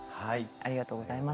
ありがとうございます。